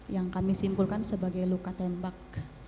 yang kami simpulkan sebagai luka tembak